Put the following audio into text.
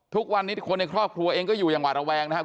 ทุกวันนี้คนในครอบคลัวเองก็อยู่อย่างหวาดระแวง